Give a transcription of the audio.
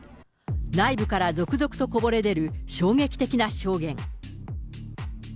内部から続々とこぼれ出る衝撃的な証言。